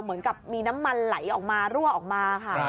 เหมือนกับมีน้ำมันไหลออกมารั่วออกมาค่ะ